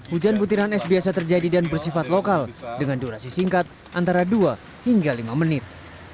hujan butiran es biasa terjadi dan bersifat lokal dengan durasi singkat antara dua hingga lima menit